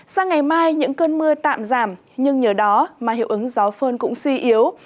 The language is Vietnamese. sang ngày mai những cơn mưa tạm giảm nhưng nhờ đó mà hiệu ứng gió phơn cũng suy yếu